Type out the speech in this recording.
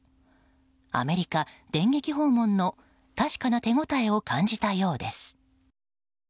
アメリカ電撃訪問の確かな手応えを感じたようです。